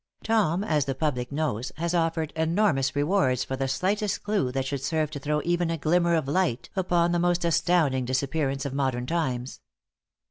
Tom, as the public knows, has offered enormous rewards for the slightest clue that should serve to throw even a glimmer of light upon the most astounding disappearance of modern times.